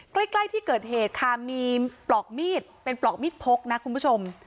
ใกล้ที่เกิดเหตุค่ะมีปลอกมีดเป็นปลอกมีดพกนะคุณผู้ชม